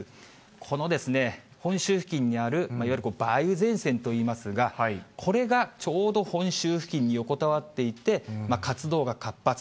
この本州付近にある、いわゆる梅雨前線といいますが、これがちょうど本州付近に横たわっていて、活動が活発。